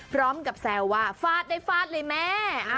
พร้อมกับแซวว่าฟาดได้ฟาดเลยแม่